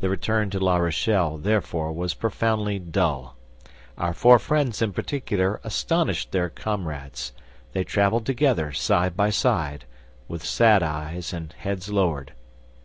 The return to La Rochelle, therefore, was profoundly dull. Our four friends, in particular, astonished their comrades; they traveled together, side by side, with sad eyes and heads lowered.